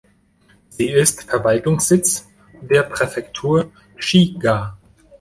Sie ist Verwaltungssitz der Präfektur Shiga.